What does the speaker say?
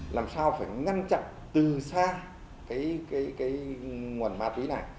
làm sao phải ngăn chặn từ xa cái nguồn ma túy này